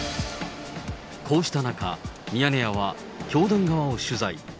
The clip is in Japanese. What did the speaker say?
こうした中、ミヤネ屋は教団側を取材。